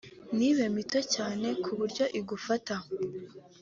ntibe mito cyane ku buryo igufata